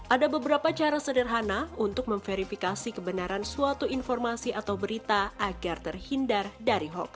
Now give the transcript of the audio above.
ada beberapa cara sederhana untuk memverifikasi kebenaran suatu informasi atau berita agar terlihat